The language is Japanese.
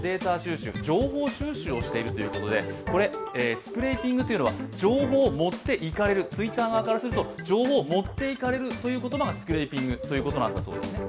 スクレイピングというのは情報を持って行かれるＴｗｉｔｔｅｒ側からすると、情報を持って行かれるという言葉がスクレイピングという言葉なんだそうです。